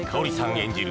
演じる